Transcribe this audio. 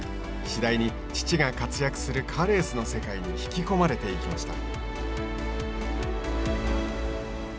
次第に父が活躍するカーレースの世界に引き込まれていきました。